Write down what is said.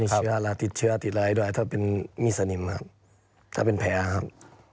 เชื้อราติดเชื้อติดอะไรด้วยถ้าเป็นมีดสนิมครับถ้าเป็นแผลครับ